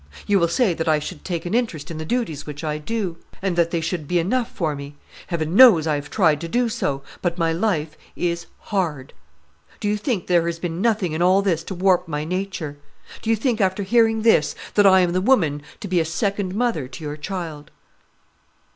You will say that I should take an interest in the duties which I do; and that they should be enough for me. Heaven knows I have tried to do so; but my life is hard. Do you think there has been nothing in all this to warp my nature? Do you think after hearing this, that I am the woman to be a second mother to your child?"